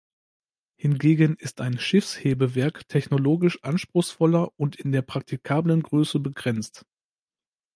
Hingegen ist ein Schiffshebewerk technologisch anspruchsvoller und in der praktikablen Größe begrenzt.